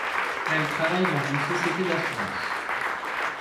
Elle travaille dans une société d'assurances.